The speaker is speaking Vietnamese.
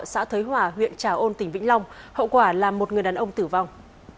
xã thới hỏa huyện trà ôn tỉnh vĩnh long hậu quả là một người đàn ông tử vong